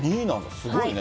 すごいね。